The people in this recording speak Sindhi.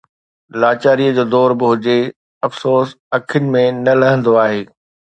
لاچاريءَ جو دور به هجي، افسوس اکين ۾ نه لهندو آهي